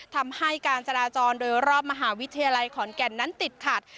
ทำให้การจราจรโดยรอบมหาวิทยาลัยขอนแก่นนั้นติดขัด